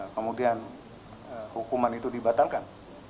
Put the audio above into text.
kemudian hukuman itu dibatalkan